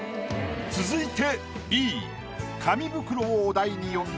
続いて。